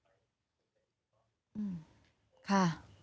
อื้อค่ะ